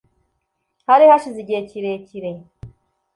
Hari hashize igihe kirekire .